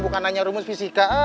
bukan nanya rumus fisika